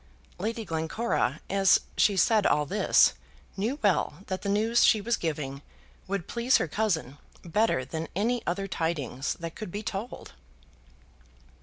Lady Glencora, as she said all this, knew well that the news she was giving would please her cousin better than any other tidings that could be told.